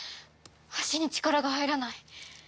足に力が入らない。